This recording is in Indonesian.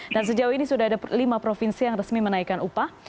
dan sejauh ini sudah ada lima provinsi yang resmi menaikan upah